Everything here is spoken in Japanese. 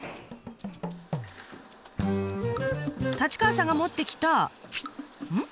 立川さんが持ってきたうん？